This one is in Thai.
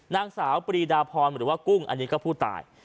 นางสาวปรีดาพรหรือว่ากุ้งอันนี้ก็ผู้ตาย